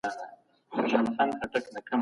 دولت د اقتصاد د ښه والي لپاره پلانونه جوړوي.